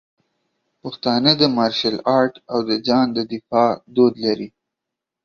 پښتانه د مارشل آرټ او د ځان د دفاع دود لري.